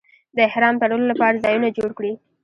د احرام تړلو لپاره ځایونه جوړ کړي.